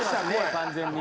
完全に。